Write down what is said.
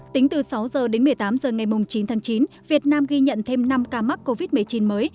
tính từ sáu h đến một mươi tám h ngày chín tháng chín việt nam ghi nhận thêm năm ca mắc covid một mươi chín mới